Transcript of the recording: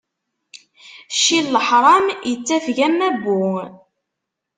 Cci n leḥṛam, ittafeg am wabbu.